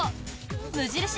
無印